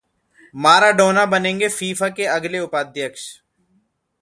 Maradona बनेंगे FIFA के अगले उपाध्यक्ष!